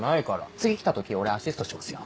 次来た時俺アシストしますよ。